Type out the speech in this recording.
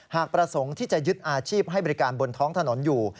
หากประสงค์ที่จะยึดอาชีพให้บริการบนท้องถนนอยู่